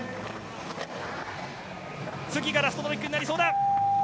次がラストトリックになりそうだ。